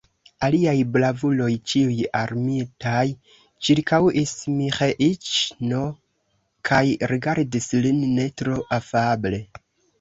Aliaj bravuloj, ĉiuj armitaj, ĉirkaŭis Miĥeiĉ'n kaj rigardis lin ne tro afable.